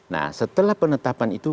nah setelah penetapan itu